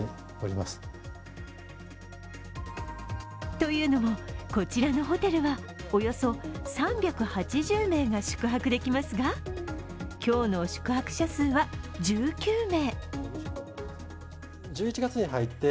というのも、こちらのホテルはおよそ３８０名が宿泊できますが今日の宿泊者数は１９名。